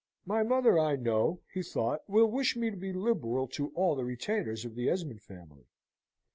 "My mother, I know," he thought, "will wish me to be liberal to all the retainers of the Esmond family."